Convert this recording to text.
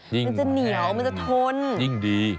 มันจะเหนียวมันจะทนยิ่งดี